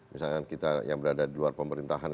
misalkan kita yang berada di luar pemerintahan